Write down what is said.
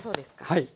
はい。